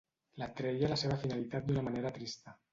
L'atreia la seva finalitat d'una manera trista.